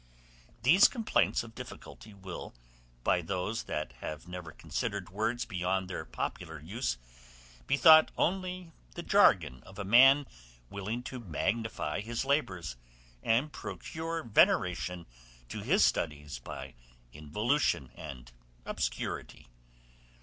These complaints of difficulty will, by those that have never considered words beyond their popular use, be thought only the jargon of a man willing to magnify his labors, and procure veneration to his studies by involution and obscurity.